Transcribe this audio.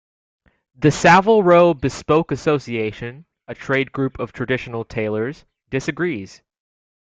The Savile Row Bespoke Association, a trade group of traditional tailors, disagrees.